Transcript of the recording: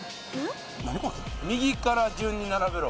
何これ「右から順に並べろ」